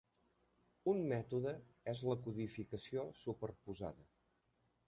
Un mètode és la codificació superposada.